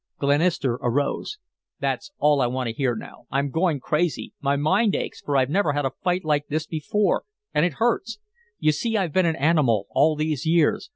Glenister arose. "That's all I want to hear now. I'm going crazy. My mind aches, for I've never had a fight like this before and it hurts. You see, I've been an animal all these years.